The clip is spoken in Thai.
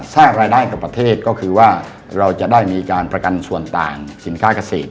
สร้างรายได้กับประเทศก็คือว่าเราจะได้มีการประกันส่วนต่างสินค้าเกษตร